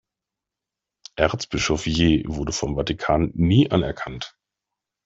Erzbischof Ye wurde vom Vatikan nie anerkannt.